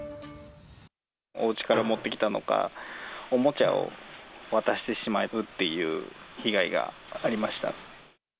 おうちから持ってきたのか、おもちゃを渡してしまうっていう被害がありました。